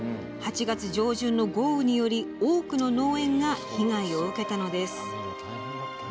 ８月上旬の豪雨により多くの農園が被害を受けたのです。